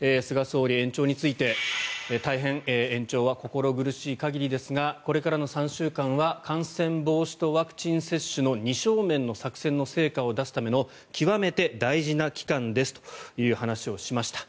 菅総理、延長について大変、延長は心苦しい限りですがこれからの３週間は感染防止とワクチン接種の二正面の作戦の成果を出すための極めて大事な期間ですという話をしました。